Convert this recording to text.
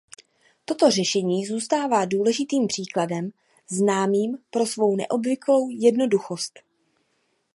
Toto řešení zůstává důležitým příkladem známým pro svou neobvyklou jednoduchost.